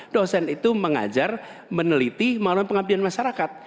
dosen itu mengajar meneliti melalui pengabdian masyarakat